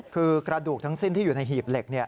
คือกระดูกทั้งสิ้นที่อยู่ในหีบเหล็ก